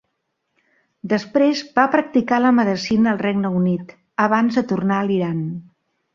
Després va practicar la medicina al Regne Unit, abans de tornar a l'Iran.